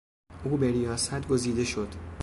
او به ریاست گزیده شد.